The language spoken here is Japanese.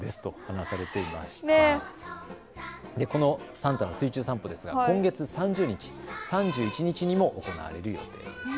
サンタの水中散歩ですが今月３０日、３１日にも行われる予定です。